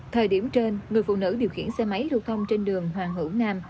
thời điểm trên người phụ nữ điều khiển xe máy lưu thông trên đường hoàng hữu nam